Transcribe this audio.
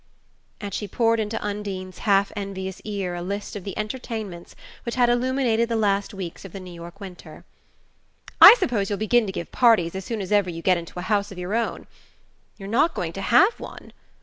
And she poured into Undine's half envious ear a list of the entertainments which had illuminated the last weeks of the New York winter. "I suppose you'll begin to give parties as soon as ever you get into a house of your own. You're not going to have one?